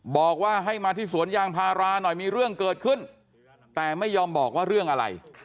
บอกว่าให้มาที่สวนยางพาราหน่อยมีเรื่องเกิดขึ้นแต่ไม่ยอมบอกว่าเรื่องอะไร